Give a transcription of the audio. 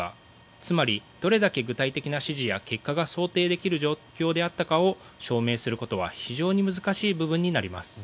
つまり、どれだけ具体的な指示や結果が想定できる状況であったかを証明することは非常に難しい部分になります。